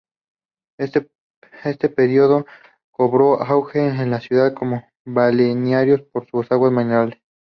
En este período cobró auge la ciudad como un balneario por sus aguas minerales.